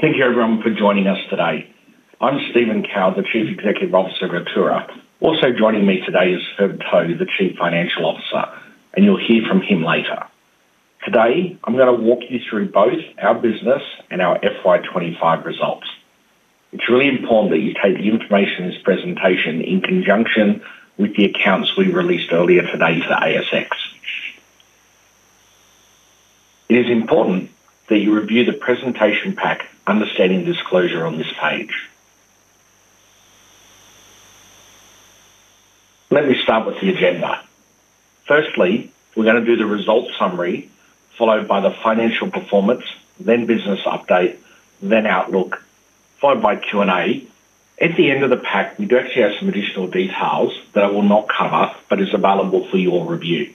Thank you, everyone, for joining us today. I'm Stephen Kowal, the Chief Executive Officer of Atturra Limited. Also joining me today is Herb To, the Chief Financial Officer, and you'll hear from him later. Today, I'm going to walk you through both our business and our FY 2025 results. It's really important that you take the information in this presentation in conjunction with the accounts we released earlier today for ASX. It is important that you review the presentation pack, understanding disclosure on this page. Let me start with the agenda. Firstly, we're going to do the results summary, followed by the financial performance, then business update, then outlook, followed by Q&A. At the end of the pack, we do actually have some additional details that I will not cover, but it's available for your review.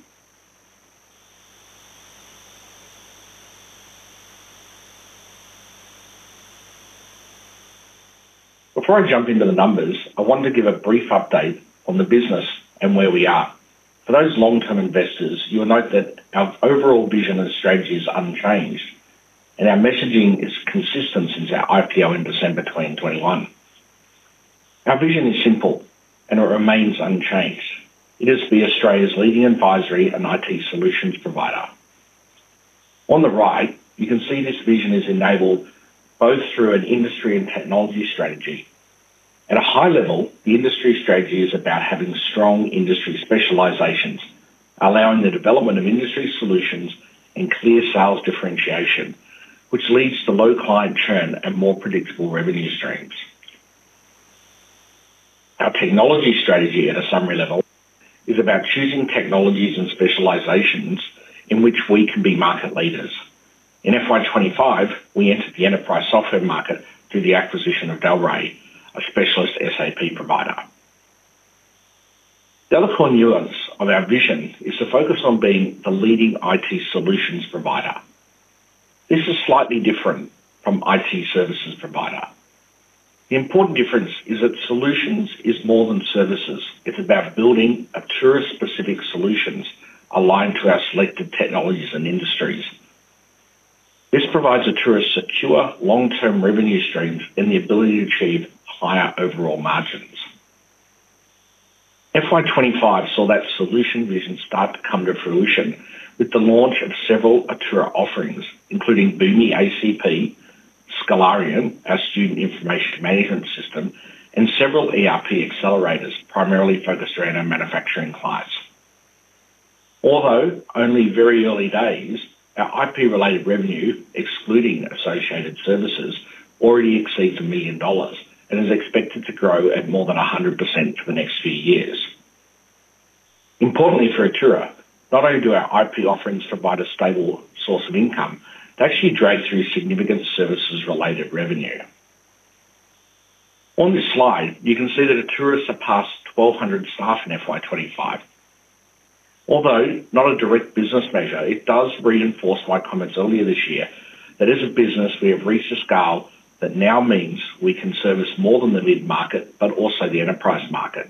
Before I jump into the numbers, I want to give a brief update on the business and where we are. For those long-term investors, you'll note that our overall vision and strategy is unchanged, and our messaging is consistent since our IPO in December 2021. Our vision is simple, and it remains unchanged. It is to be Australia's leading advisory and IT solutions provider. On the right, you can see this vision is enabled both through an industry and technology strategy. At a high level, the industry strategy is about having strong industry specializations, allowing the development of industry solutions and clear sales differentiation, which leads to low client churn and more predictable revenue streams. Our technology strategy, at a summary level, is about choosing technologies and specializations in which we can be market leaders. In FY 2025, we entered the enterprise software market through the acquisition of Delray, a specialist SAP provider. The other core nuance of our vision is to focus on being the leading IT solutions provider. This is slightly different from an IT services provider. The important difference is that solutions are more than services. It's about building Atturra-specific solutions aligned to our selected technologies and industries. This provides Atturra secure long-term revenue streams and the ability to achieve higher overall margins. FY 2025 saw that solution vision start to come to fruition with the launch of several Atturra offerings, including Atturra Cloud Platform for Boomi (ACP), Scalarium, our student information management system, and several ERP accelerators primarily focused around our manufacturing clients. Although only very early days, our IP-related revenue, excluding associated services, already exceeds $1 million and is expected to grow at more than 100% for the next few years. Importantly for Atturra, not only do our IP offerings provide a stable source of income, they actually drag through significant services-related revenue. On this slide, you can see that Atturra surpassed 1,200 staff in FY 2025. Although not a direct business measure, it does reinforce my comments earlier this year that as a business, we have reached a scale that now means we can service more than the lead market, but also the enterprise market.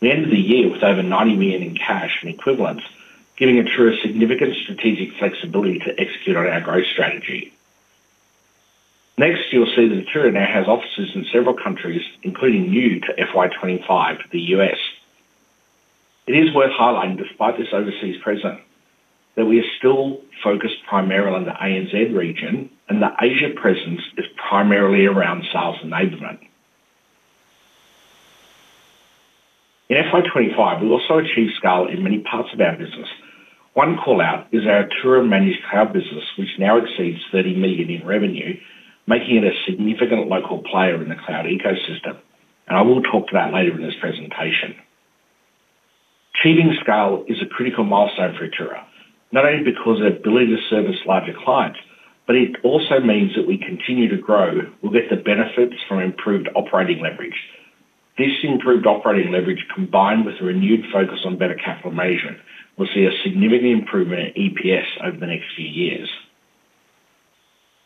The end of the year with over $90 million in cash and equivalents, giving Atturra significant strategic flexibility to execute on our growth strategy. Next, you'll see that Atturra now has offices in several countries, including new to FY 2025, the U.S. It is worth highlighting, despite this overseas presence, that we are still focused primarily on the ANZ region, and the Asia presence is primarily around sales enablement. In FY 2025, we also achieved scale in many parts of our business. One call-out is our Atturra Managed Cloud business, which now exceeds $30 million in revenue, making it a significant local player in the cloud ecosystem. I will talk about that later in this presentation. Achieving scale is a critical milestone for Atturra, not only because of the ability to service larger clients, but it also means that we continue to grow, we'll get the benefits from improved operating leverage. This improved operating leverage, combined with a renewed focus on better capital management, will see a significant improvement in EPS over the next few years.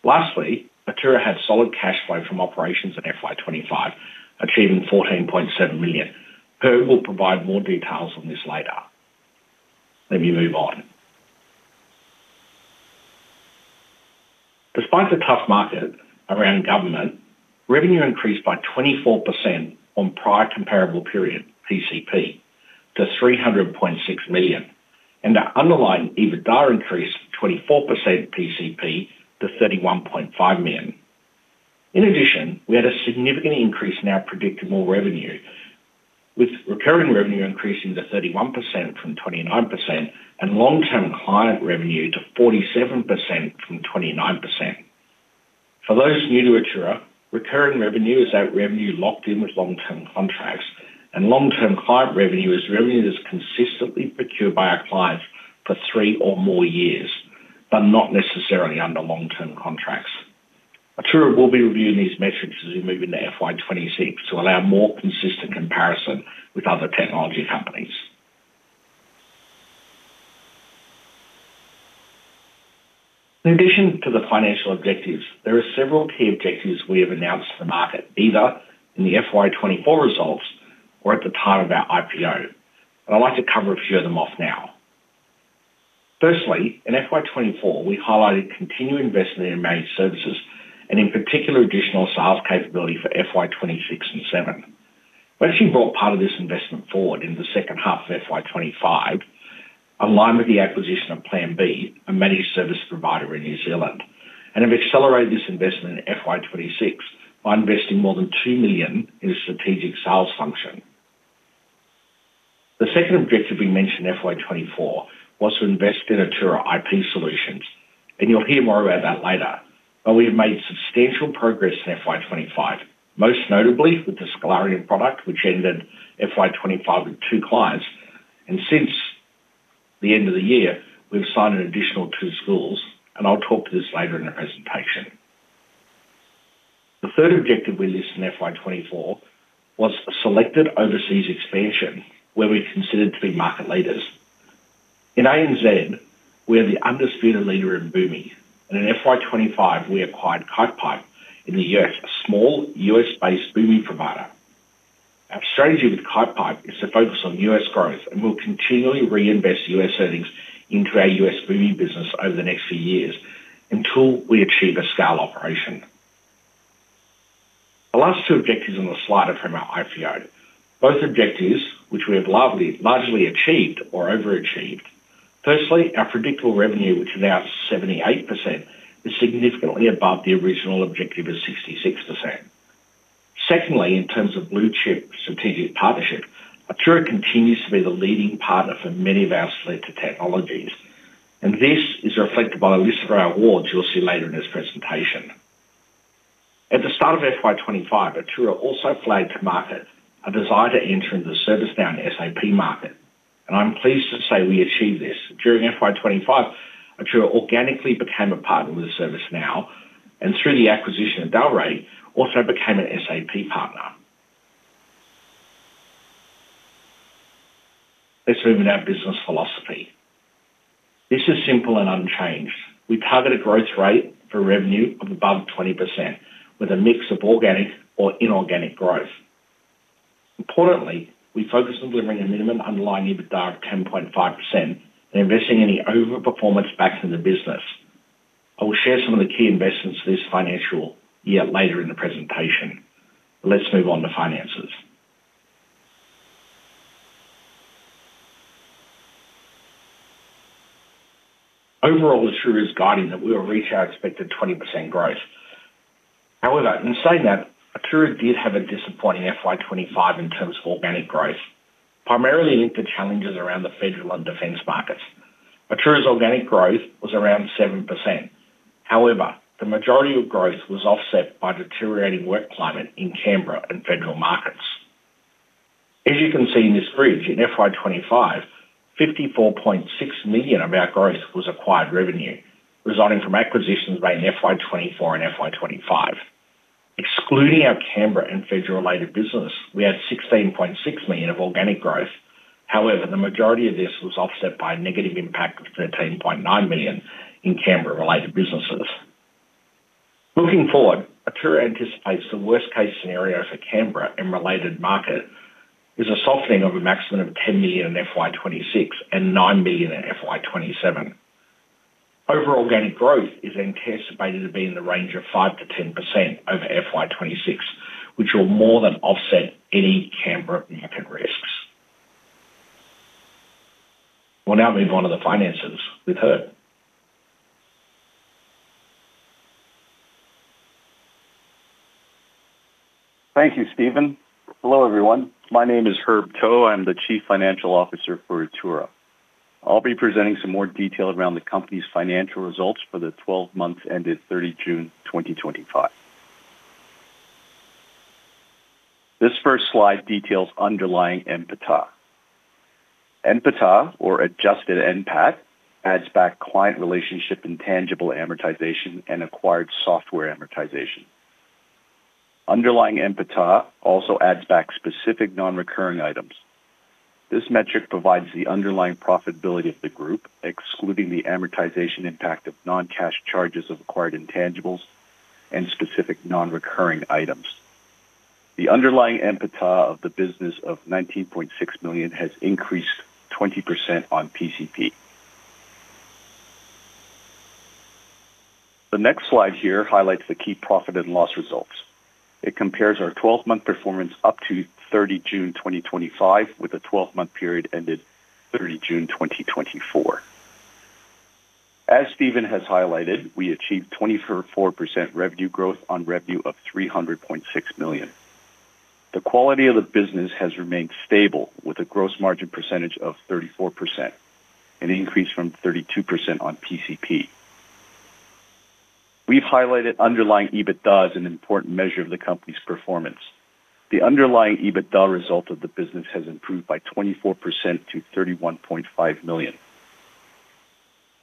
Lastly, Atturra had solid cash flow from operations in FY 2025, achieving $14.7 million. Herb will provide more details on this later. Let me move on. Despite the tough market around government, revenue increased by 24% on prior comparable period, PCP, to $300.6 million, and the underlying EBITDA increased from 24%, PCP, to $31.5 million. In addition, we had a significant increase in our predictable revenue, with recurring revenue increasing to 31% from 29% and long-term client revenue to 47% from 29%. For those new to Atturra, recurring revenue is our revenue locked in with long-term contracts, and long-term client revenue is revenue that's consistently procured by our clients for three or more years, but not necessarily under long-term contracts. Atturra will be reviewing these metrics as we move into FY 2026 to allow more consistent comparison with other technology companies. In addition to the financial objectives, there are several key objectives we have announced for the market, either in the FY 2024 results or at the time of our IPO. I'd like to cover a few of them off now. Firstly, in FY 2024, we highlighted continuing investment in managed services, and in particular, additional sales capability for FY 2026 and '27. We actually brought part of this investment forward in the second half of FY 2025 in line with the acquisition of Plan B, a managed services provider in New Zealand, and have accelerated this investment in FY 2026 by investing more than $2 million in a strategic sales function. The second objective we mentioned in FY 2024 was to invest in Atturra IP solutions, and you'll hear more about that later. We have made substantial progress in FY 2025, most notably with the Scalarium product, which ended FY 2025 with two clients, and since the end of the year, we've signed an additional two schools, and I'll talk to this later in the presentation. The third objective we listed in FY 2024 was a selected overseas expansion, where we're considered to be market leaders. In ANZ, we are the undisputed leader in Boomi, and in FY 2025 we acquired Kite Pipe in the U.S., a small U.S.-based Boomi provider. Our strategy with Kite Pipe is to focus on U.S. growth, and we'll continually reinvest U.S. earnings into our U.S. Boomi business over the next few years until we achieve a scale operation. The last two objectives on the slide are from our IPO. Both objectives, which we have largely achieved or overachieved. Firstly, our predictable revenue, which is now at 78%, is significantly above the original objective of 66%. Secondly, in terms of Blue Chip strategic partnership, Atturra continues to be the leading partner for many of our selected technologies, and this is reflected by a list of our awards you'll see later in this presentation. At the start of FY 2025, Atturra also flagged to market a desire to enter into the ServiceNow and SAP market, and I'm pleased to say we achieved this. During FY 2025, Atturra organically became a partner with ServiceNow and, through the acquisition of Delray, also became an SAP partner. Let's move to our business philosophy. This is simple and unchanged. We target a growth rate for revenue of above 20%, with a mix of organic or inorganic growth. Importantly, we focus on delivering a minimum underlying EBITDA of 10.5% and investing in any overperformance backed in the business. I will share some of the key investments for this financial year later in the presentation. Let's move on to finances. Overall, Atturra is guiding that we will reach our expected 20% growth. However, in saying that, Atturra did have a disappointing FY 2025 in terms of organic growth, primarily linked to challenges around the federal and defence markets. Atturra's organic growth was around 7%. However, the majority of growth was offset by deteriorating work climate in Canberra and federal markets. As you can see in this grid, in FY 2025, $54.6 million of our growth was acquired revenue, resulting from acquisitions made in FY 2024 and FY 2025. Excluding our Canberra and federal-related business, we had $16.6 million of organic growth. However, the majority of this was offset by a negative impact of $13.9 million in Canberra-related businesses. Looking forward, Atturra anticipates the worst-case scenario for Canberra and related markets is a softening of a maximum of $10 million in FY 2026 and $9 million in FY 2027. Overall organic growth is anticipated to be in the range of 5%-10% over FY 2026, which will more than offset any Canberra-related risks. We'll now move on to the finances with Herb. Thank you, Stephen. Hello, everyone. My name is Herb To. I'm the Chief Financial Officer for Atturra. I'll be presenting some more detail around the company's financial results for the 12 months ended 30 June 2025. This first slide details underlying EBITDA. EBITDA, or adjusted NPAT, adds back client relationship intangible amortization and acquired software amortization. Underlying EBITDA also adds back specific non-recurring items. This metric provides the underlying profitability of the group, excluding the amortization impact of non-cash charges of acquired intangibles and specific non-recurring items. The underlying EBITDA of the business of $19.6 million has increased 20% on PCP. The next slide here highlights the key profit and loss results. It compares our 12-month performance up to 30 June 2025 with a 12-month period ended 30 June 2024. As Stephen has highlighted, we achieved 24% revenue growth on revenue of $300.6 million. The quality of the business has remained stable with a gross margin percentage of 34%, an increase from 32% on PCP. We've highlighted underlying EBITDA as an important measure of the company's performance. The underlying EBITDA result of the business has improved by 24% to $31.5 million.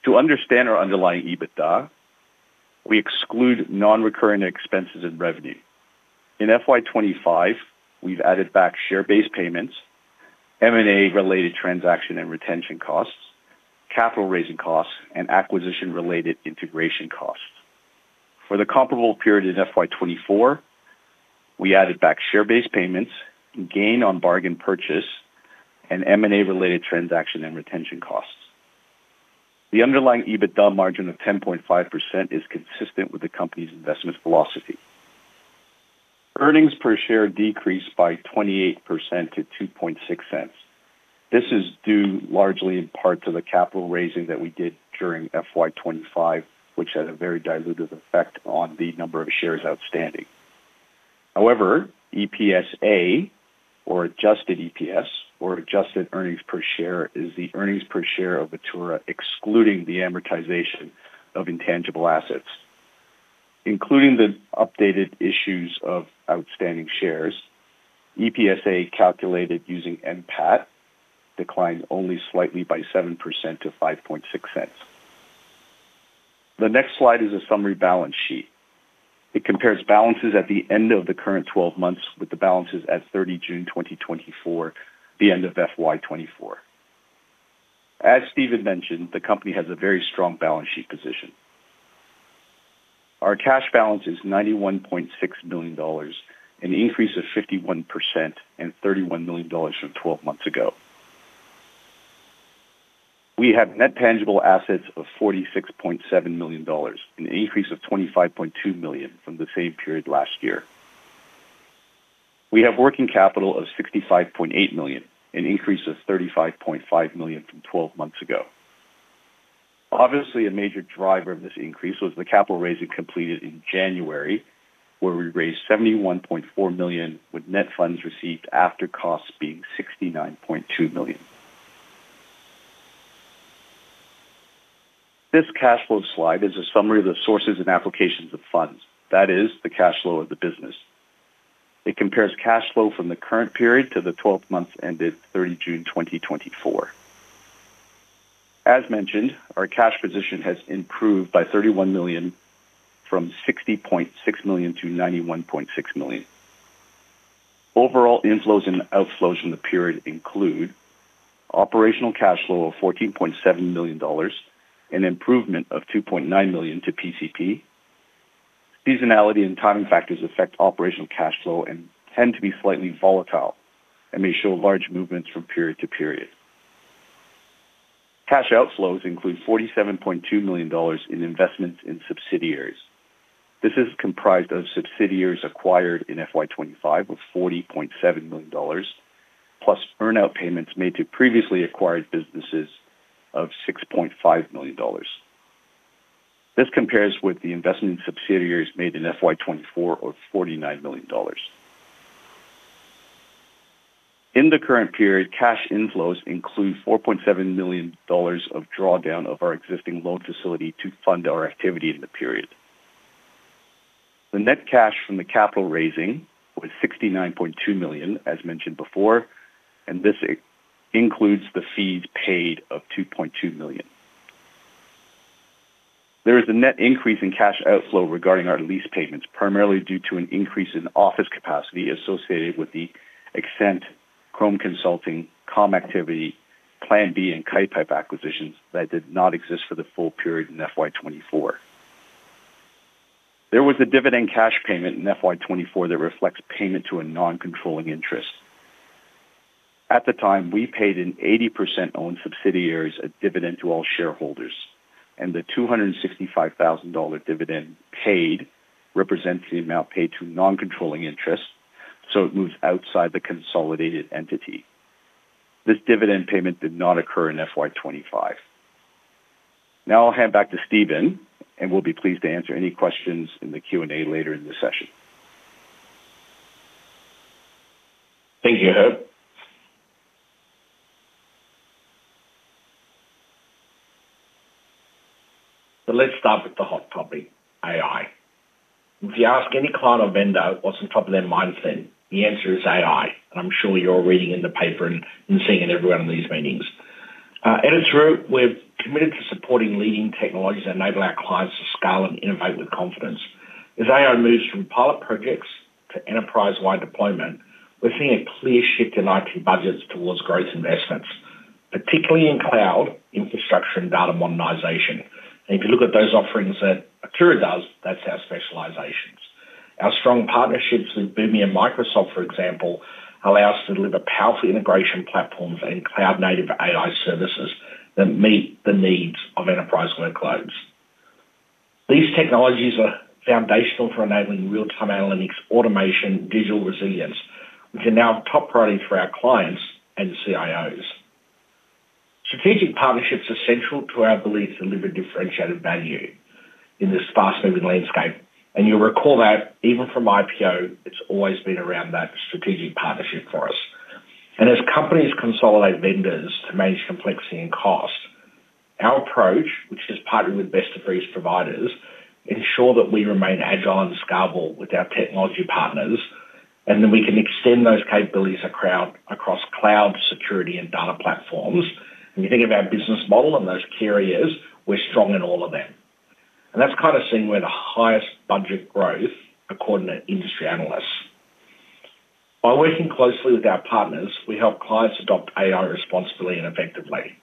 To understand our underlying EBITDA, we exclude non-recurring expenses in revenue. In FY 2025, we've added back share-based payments, M&A-related transaction and retention costs, capital raising costs, and acquisition-related integration costs. For the comparable period in FY 2024, we added back share-based payments, gain on bargain purchase, and M&A-related transaction and retention costs. The underlying EBITDA margin of 10.5% is consistent with the company's investment philosophy. Earnings per share decreased by 28% to $0.026. This is due largely in part to the capital raising that we did during FY 2025, which had a very diluted effect on the number of shares outstanding. However, EPSA, or adjusted EPS, or adjusted earnings per share is the earnings per share of Atturra, excluding the amortization of intangible assets. Including the updated issues of outstanding shares, EPSA calculated using NPAT declined only slightly by 7% to $0.056. The next slide is a summary balance sheet. It compares balances at the end of the current 12 months with the balances at 30 June 2024, the end of FY 2024. As Stephen mentioned, the company has a very strong balance sheet position. Our cash balance is $91.6 million, an increase of 51% and $31 million from 12 months ago. We have net tangible assets of $46.7 million, an increase of $25.2 million from the same period last year. We have working capital of $65.8 million, an increase of $35.5 million from 12 months ago. Obviously, a major driver of this increase was the capital raise completed in January, where we raised $71.4 million with net funds received after costs being $69.2 million. This cash flow slide is a summary of the sources and applications of funds, that is, the cash flow of the business. It compares cash flow from the current period to the 12 months ended 30 June 2024. As mentioned, our cash position has improved by $31 million from $60.6 million to $91.6 million. Overall inflows and outflows in the period include operational cash flow of $14.7 million, an improvement of $2.9 million to PCP. Seasonality and time factors affect operational cash flow and tend to be slightly volatile and may show large movements from period to period. Cash outflows include $47.2 million in investments in subsidiaries. This is comprised of subsidiaries acquired in FY 2025 of $40.7 million plus earnout payments made to previously acquired businesses of $6.5 million. This compares with the investment in subsidiaries made in FY 2024 of $49 million. In the current period, cash inflows include $4.7 million of drawdown of our existing loan facility to fund our activity in the period. The net cash from the capital raise was $69.2 million, as mentioned before, and this includes the fees paid of $2.2 million. There is a net increase in cash outflow regarding our lease payments, primarily due to an increase in office capacity associated with the Excent, Chrome Consulting, ComActivity, Plan B, and Kite Pipe acquisitions that did not exist for the full period in FY 2024. There was a dividend cash payment in FY 2024 that reflects payment to a non-controlling interest. At the time, we paid an 80% owned subsidiary a dividend to all shareholders, and the $265,000 dividend paid represents the amount paid to non-controlling interest, so it moves outside the consolidated entity. This dividend payment did not occur in FY 2025. Now I'll hand back to Stephen, and we'll be pleased to answer any questions in the Q&A later in this session. Thank you, Herb. Let's start with the hot topic, AI. If you ask any client or vendor what's on top of their minds, the answer is AI, and I'm sure you're all reading it in the paper and seeing it everywhere in these meetings. At Atturra, we're committed to supporting leading technologies that enable our clients to scale and innovate with confidence. As AI moves from pilot projects to enterprise-wide deployment, we're seeing a clear shift in IT budgets towards growth investments, particularly in cloud, infrastructure, and data modernization. If you look at those offerings that Atturra does, that's our specializations. Our strong partnerships with Boomi and Microsoft, for example, allow us to deliver powerful integration platforms and cloud-native AI services that meet the needs of enterprise workloads. These technologies are foundational for enabling real-time analytics, automation, and digital resilience, which are now a top priority for our clients and CIOs. Strategic partnerships are central to our belief to deliver differentiated value in this fast-moving landscape, and you'll recall that even from IPO, it's always been around that strategic partnership for us. As companies consolidate vendors to manage complexity and cost, our approach, which is partnering with best-of-breed providers, ensures that we remain agile and scalable with our technology partners, and we can extend those capabilities across cloud, security, and data platforms. If you think of our business model and those carriers, we're strong in all of them. That's kind of seen where the highest budget growth is according to industry analysts. By working closely with our partners, we help clients adopt AI responsibly and effectively.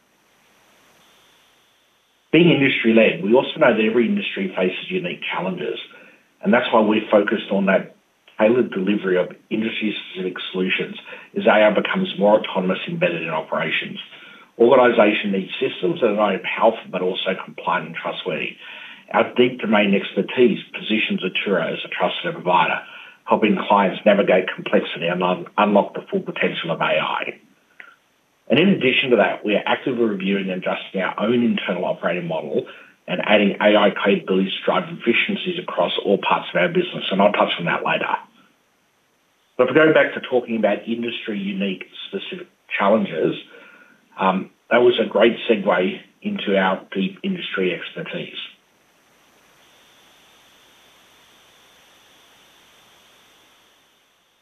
Being industry-led, we also know that every industry faces unique challenges, and that's why we're focused on that tailored delivery of industry-specific solutions as AI becomes more autonomous, embedded in operations. Organizations need systems that are not only powerful but also compliant and trustworthy. Our deep domain expertise positions Atturra as a trusted provider, helping clients navigate complexity and unlock the full potential of AI. In addition to that, we are actively reviewing and adjusting our own internal operating model and adding AI capabilities to drive efficiencies across all parts of our business, and I'll touch on that later. If we're going back to talking about industry unique specific challenges, that was a great segue into our deep industry expertise.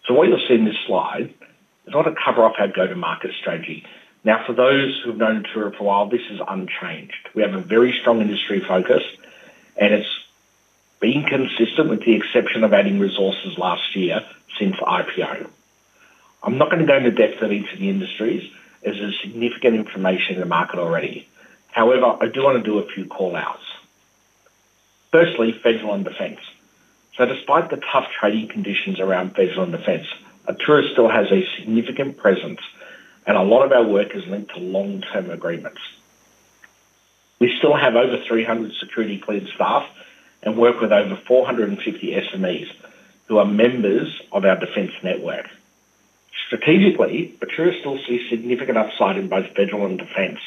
What you'll see in this slide is what I'll cover off our go-to-market strategy. For those who've known Atturra for a while, this is unchanged. We have a very strong industry focus, and it's been consistent with the exception of adding resources last year since IPO. I'm not going to go into depth of each of the industries as there's significant information in the market already. However, I do want to do a few call-outs. Firstly, federal and defence. Despite the tough trading conditions around federal and defence, Atturra still has a significant presence, and a lot of our work is linked to long-term agreements. We still have over 300 security clearance staff and work with over 450 SMEs who are members of our defence network. Strategically, Atturra still sees significant upside in both federal and defence.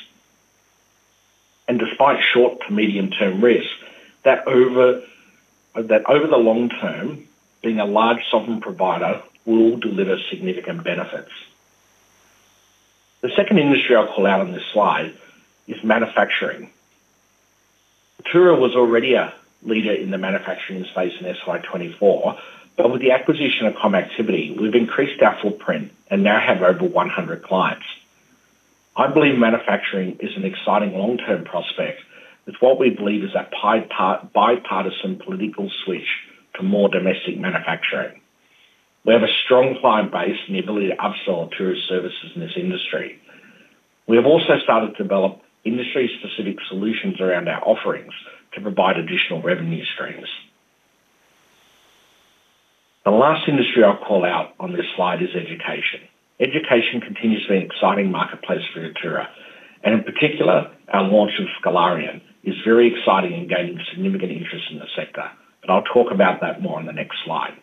Despite short to medium-term risks, over the long term, being a large sovereign provider will deliver significant benefits. The second industry I'll call out on this slide is manufacturing. Atturra was already a leader in the manufacturing space in FY 2024, but with the acquisition of ComActivity, we've increased our footprint and now have over 100 clients. I believe manufacturing is an exciting long-term prospect with what we believe is a bipartisan political switch to more domestic manufacturing. We have a strong client base and the ability to upsell Atturra's services in this industry. We have also started to develop industry-specific solutions around our offerings to provide additional revenue streams. The last industry I'll call out on this slide is education. Education continues to be an exciting marketplace for Atturra, and in particular, our launch of Scalarium is very exciting and gaining significant interest in the sector. I'll talk about that more on the next slide.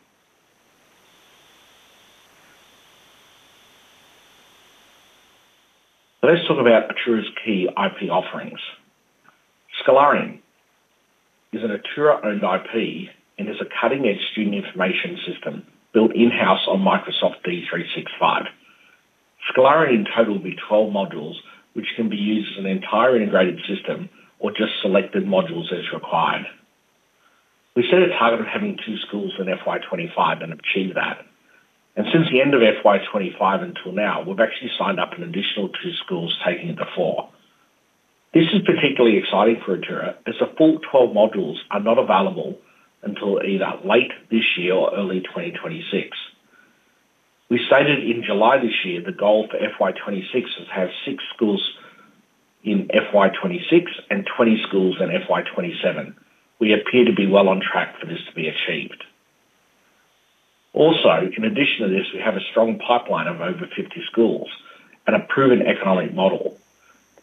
Let's talk about Atturra's key IP offerings. Scalarium is an Atturra-owned IP and has a cutting-edge student information system built in-house on Microsoft D365. Scalarium in total will be 12 modules, which can be used as an entire integrated system or just selected modules as required. We set a target of having two schools in FY 2025 and achieved that. Since the end of FY 2025 until now, we've actually signed up an additional two schools, taking it to four. This is particularly exciting for Atturra as the full 12 modules are not available until either late this year or early 2026. We stated in July this year the goal for FY 2026 is to have six schools in FY 2026 and 20 schools in FY 2027. We appear to be well on track for this to be achieved. Also, in addition to this, we have a strong pipeline of over 50 schools and a proven economic model.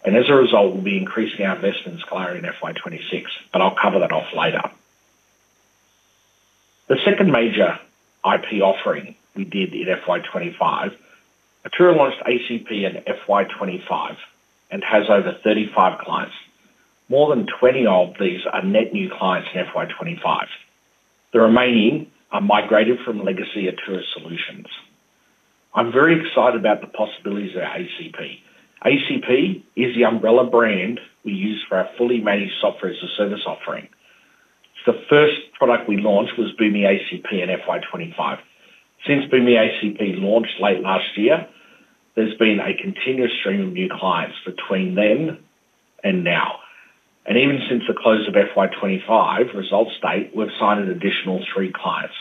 As a result, we'll be increasing our investment in Scalarium in FY 2026, but I'll cover that off later. The second major IP offering we did in FY 2025, Atturra launched ACP in FY 2025 and has over 35 clients. More than 20 of these are net new clients in FY 2025. The remaining are migrated from legacy Atturra Solutions. I'm very excited about the possibilities of our ACP. ACP is the umbrella brand we use for our fully managed software as a service offering. The first product we launched was Boomi ACP in FY 2025. Since Boomi ACP launched late last year, there's been a continuous stream of new clients between then and now. Even since the close of FY 2025 results date, we've signed an additional three clients.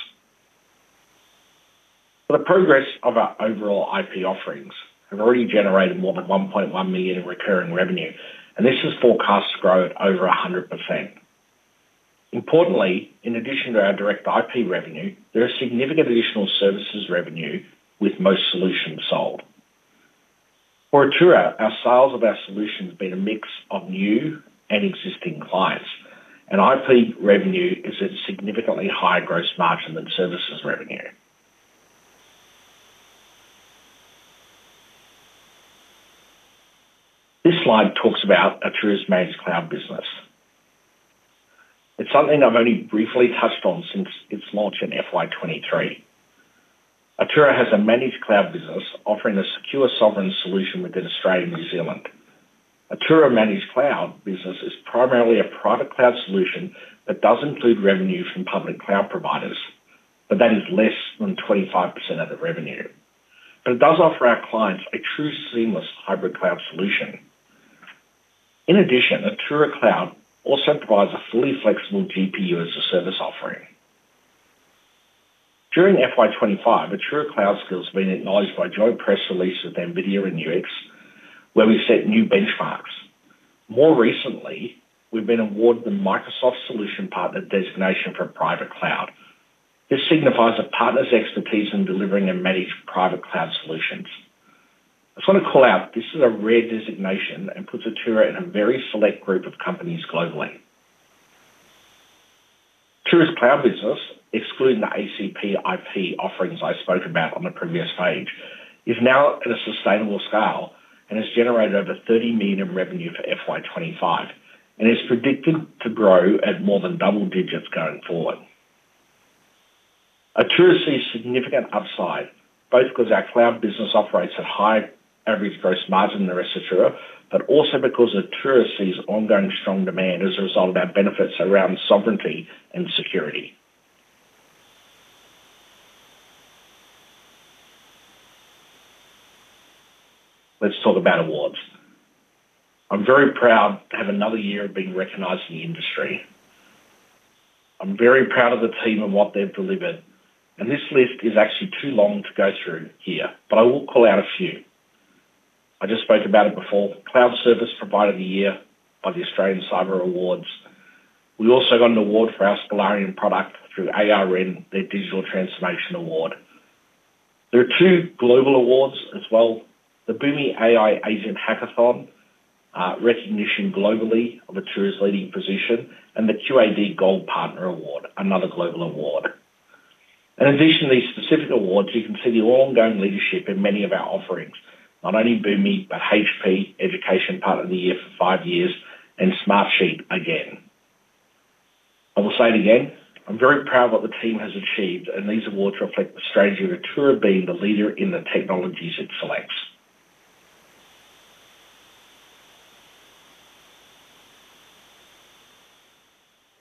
The progress of our overall IP offerings has already generated more than $1.1 million in recurring revenue, and this is forecast to grow over 100%. Importantly, in addition to our direct IP revenue, there are significant additional services revenue with most solutions sold. For Atturra, our sales of our solutions have been a mix of new and existing clients, and IP revenue is at a significantly higher gross margin than services revenue. This slide talks about Atturra's managed cloud business. It's something I've only briefly touched on since its launch in FY 2023. Atturra has a managed cloud business offering a secure sovereign solution within Australia and New Zealand. Atturra managed cloud business is primarily a private cloud solution that does include revenue from public cloud providers, but that is less than 25% of the revenue. It does offer our clients a true seamless hybrid cloud solution. In addition, Atturra Cloud also provides a fully flexible GPU as a service offering. During FY 2025, Atturra Cloud skills have been acknowledged by joint press releases with NVIDIA and UX, where we set new benchmarks. More recently, we've been awarded the Microsoft Solution Partner designation for private cloud. This signifies a partner's expertise in delivering and managing private cloud solutions. I just want to call out that this is a rare designation and puts Atturra in a very select group of companies globally. Atturra's cloud business, excluding the Atturra Cloud Platform for Boomi IP offerings I spoke about on the previous page, is now at a sustainable scale and has generated over $30 million in revenue for FY 2025 and is predicted to grow at more than double digits going forward. Atturra sees significant upside, both because our cloud business operates at high average gross margin in the rest of Atturra, but also because Atturra sees ongoing strong demand as a result of our benefits around sovereignty and security. Let's talk about awards. I'm very proud to have another year of being recognized in the industry. I'm very proud of the team and what they've delivered, and this list is actually too long to go through here, but I will call out a few. I just spoke about it before. Cloud Service Provider of the Year by the Australian Cyber Awards. We also got an award for our Scalarium product through ARN, their Digital Transformation Award. There are two global awards as well: the Boomi AI Asian Hackathon recognition globally of Atturra's leading position and the QAD Gold Partner Award, another global award. In addition to these specific awards, you can see the ongoing leadership in many of our offerings, not only Boomi, but HP, Education Partner of the Year for five years, and Smartsheet again. I will say it again, I'm very proud of what the team has achieved, and these awards reflect the strategy of Atturra being the leader in the technologies it selects.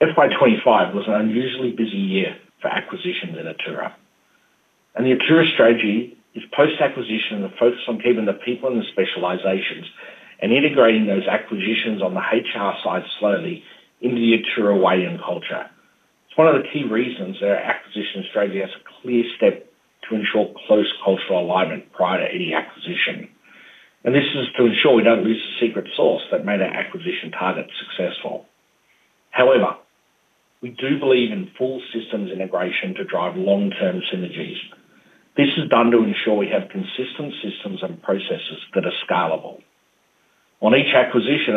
FY 2025 was an unusually busy year for acquisitions in Atturra, and the Atturra strategy is post-acquisition and the focus on keeping the people in the specializations and integrating those acquisitions on the HR side slowly into the Atturra way and culture. It's one of the key reasons that our acquisition strategy has a clear step to ensure close cultural alignment prior to any acquisition, and this is to ensure we don't lose the secret sauce that made our acquisition targets successful. However, we do believe in full systems integration to drive long-term synergies. This is done to ensure we have consistent systems and processes that are scalable. On each acquisition,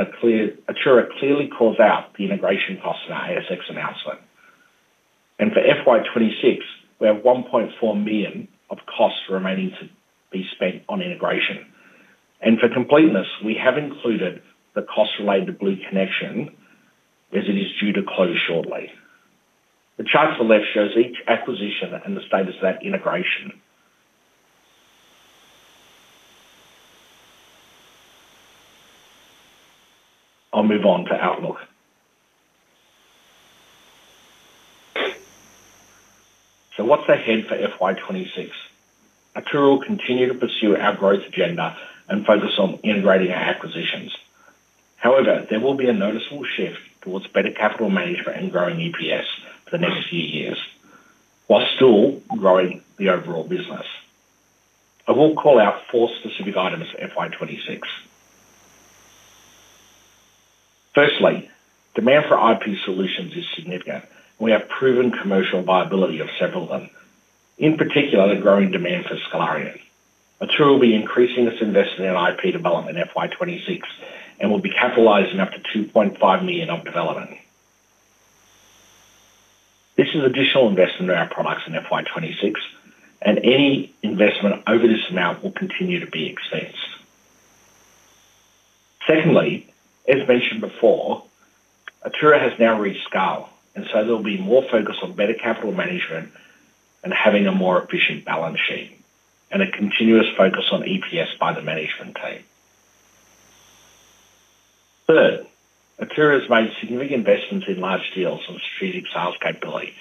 Atturra clearly calls out the integration costs in our ASX announcement, and for FY 2026, we have $1.4 million of costs remaining to be spent on integration. For completeness, we have included the cost related to Blue Connection as it is due to close shortly. The chart to the left shows each acquisition and the status of that integration. I'll move on to outlook. What's ahead for FY 2026? Atturra will continue to pursue our growth agenda and focus on integrating our acquisitions. However, there will be a noticeable shift towards better capital management and growing EPS for the next few years, while still growing the overall business. I will call out four specific items for FY 2026. Firstly, demand for IP solutions is significant, and we have proven commercial viability of several of them. In particular, the growing demand for Scalarium. Atturra will be increasing its investment in IP development in FY 2026 and will be capitalizing up to $2.5 million of development. This is additional investment in our products in FY 2026, and any investment over this amount will continue to be expensed. Secondly, as mentioned before, Atturra has now reached scale, and there'll be more focus on better capital management and having a more efficient balance sheet and a continuous focus on EPS by the management team. Third, Atturra has made significant investments in large deals on strategic sales capability.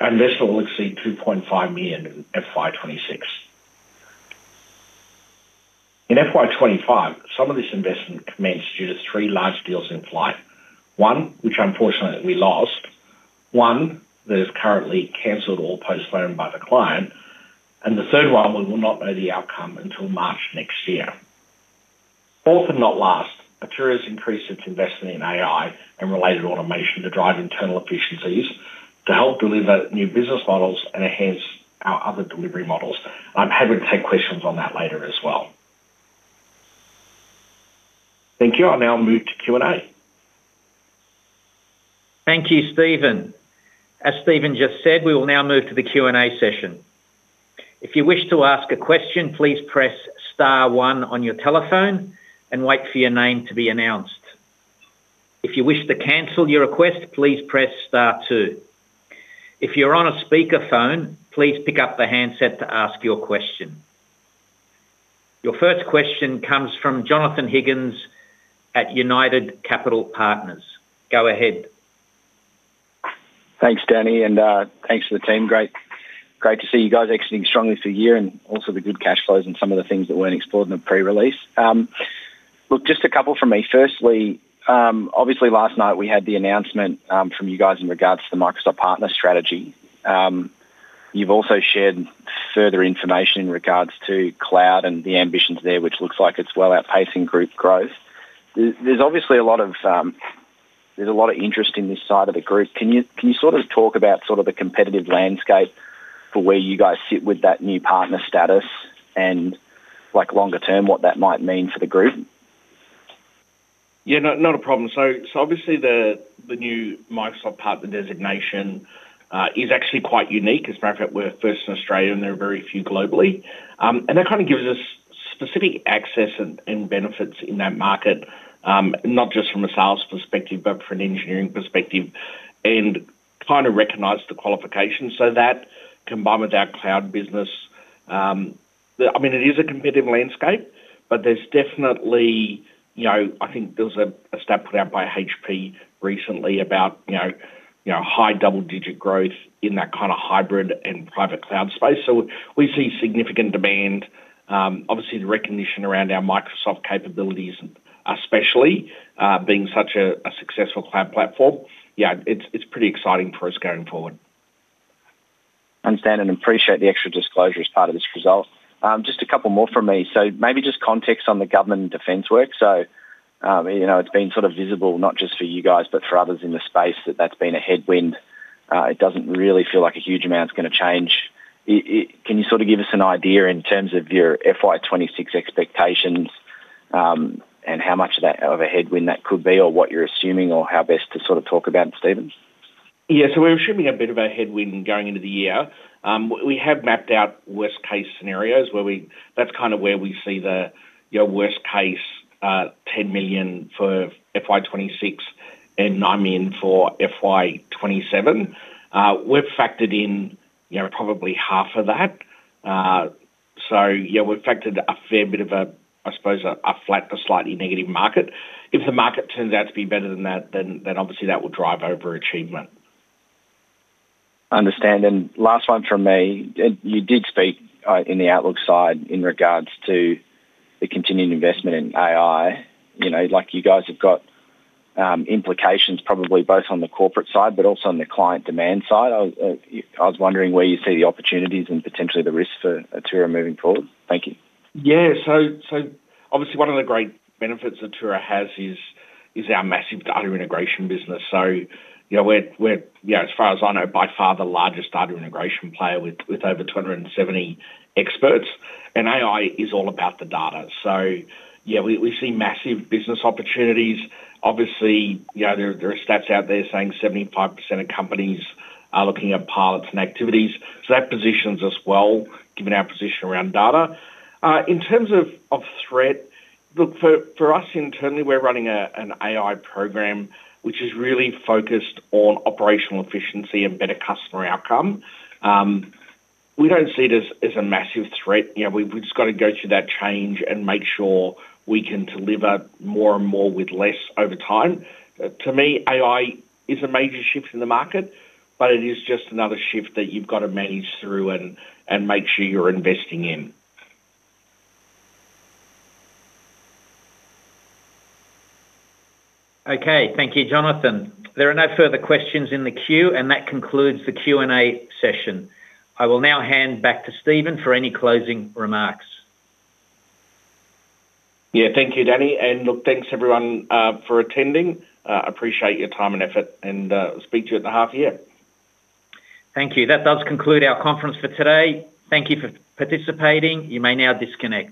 Our investment will exceed $2.5 million in FY 2026. In FY 2025, some of this investment commenced due to three large deals in flight, one which unfortunately we lost, one that is currently cancelled or postponed by the client, and the third one we will not know the outcome until March next year. Fourth and not last, Atturra has increased its investment in AI and related automation to drive internal efficiencies to help deliver new business models and enhance our other delivery models. I'm happy to take questions on that later as well. Thank you. I'll now move to Q&A. Thank you, Stephen. As Stephen just said, we will now move to the Q&A session. If you wish to ask a question, please press Star one on your telephone and wait for your name to be announced. If you wish to cancel your request, please press Star two. If you're on a speakerphone, please pick up the handset to ask your question. Your first question comes from Jonathon Higgins at United Capital Partners. Go ahead. Thanks, Danny, and thanks to the team. Great to see you guys exiting strongly for a year and also the good cash flows and some of the things that weren't explored in the pre-release. Just a couple from me. Firstly, obviously last night we had the announcement from you guys in regards to the Microsoft Partner strategy. You've also shared further information in regards to cloud and the ambitions there, which looks like it's well outpacing group growth. There's obviously a lot of interest in this side of the group. Can you sort of talk about the competitive landscape for where you guys sit with that new partner status and longer term what that might mean for the group? Yeah, not a problem. Obviously, the new Microsoft Solution Partner designation is actually quite unique. As a matter of fact, we're first in Australia and there are very few globally. That kind of gives us specific access and benefits in that market, not just from a sales perspective, but from an engineering perspective, and kind of recognizes the qualifications. That combined with our cloud business, it is a competitive landscape, but there's definitely, you know, I think there was a stat put out by HP recently about high double-digit growth in that kind of hybrid and private cloud space. We see significant demand. Obviously, the recognition around our Microsoft capabilities, especially being such a successful cloud platform, yeah, it's pretty exciting for us going forward. Understand and appreciate the extra disclosure as part of this result. Just a couple more from me. Maybe just context on the government and defence work. It's been sort of visible, not just for you guys, but for others in the space that that's been a headwind. It doesn't really feel like a huge amount is going to change. Can you give us an idea in terms of your FY 2026 expectations and how much of that of a headwind that could be or what you're assuming or how best to talk about, Stephen? Yeah, we're assuming a bit of a headwind going into the year. We have mapped out worst-case scenarios where that's kind of where we see the worst case, $10 million for FY 2026 and $9 million for FY 2027. We've factored in, you know, probably half of that. We've factored a fair bit of a, I suppose, a flat to slightly negative market. If the market turns out to be better than that, then obviously that will drive over achievement. I understand. Last one from me, you did speak in the outlook side in regards to the continued investment in AI. You know, like you guys have got implications probably both on the corporate side, but also on the client demand side. I was wondering where you see the opportunities and potentially the risk for Atturra moving forward. Thank you. Obviously, one of the great benefits Atturra has is our massive data integration business. As far as I know, by far the largest data integration player with over 270 experts, and AI is all about the data. We see massive business opportunities. There are stats out there saying 75% of companies are looking at pilots and activities. That positions us well, given our position around data. In terms of threat, for us internally, we're running an AI program, which is really focused on operational efficiency and better customer outcome. We don't see it as a massive threat. We've just got to go through that change and make sure we can deliver more and more with less over time. To me, AI is a major shift in the market, but it is just another shift that you've got to manage through and make sure you're investing in. Okay, thank you, Jonathan. There are no further questions in the queue, and that concludes the Q&A session. I will now hand back to Stephen for any closing remarks. Thank you, Danny. Thank you everyone for attending. I appreciate your time and effort, and we'll speak to you at the half of the year. Thank you. That does conclude our conference for today. Thank you for participating. You may now disconnect.